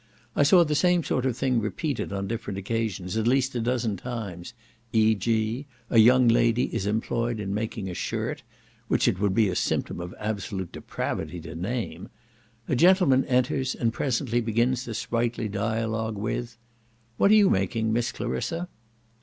I saw the same sort of thing repeated on different occasions at least a dozen times; e.g. a young lady is employed in making a shirt, (which it would be a symptom of absolute depravity to name), a gentleman enters, and presently begins the sprightly dialogue with "What are you making Miss Clarissa?"